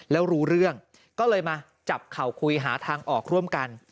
แล้วรู้เรื่องก็เลยมาจับเข่าคุยหาทางออกร่วมกัน